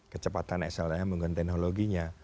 kecepatan slm dengan teknologinya